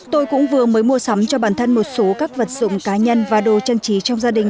tôi cũng vừa mới mua sắm cho bản thân một số các vật dụng cá nhân và đồ trang trí trong gia đình